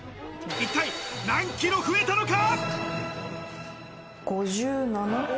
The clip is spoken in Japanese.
一体何キロ増えたのか。